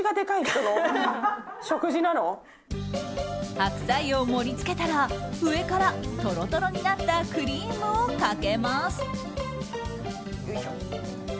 白菜を盛りつけたら上からトロトロになったクリームをかけます。